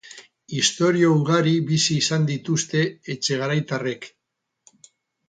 Istorio ugari bizi izan dituzte etxegaraitarrek.